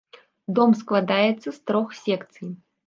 Дом складаецца з трох секцый.